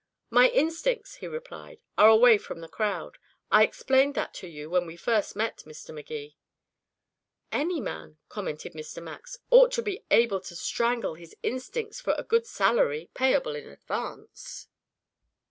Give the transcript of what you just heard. "My instincts," he replied, "are away from the crowd. I explained that to you when we first met, Mr. Magee." "Any man," commented Mr. Max, "ought to be able to strangle his instincts for a good salary, payable in advance."